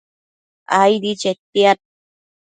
aidi chetiad